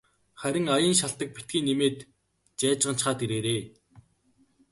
Харин аян шалтаг битгий нэмээд жайжганачхаад ирээрэй.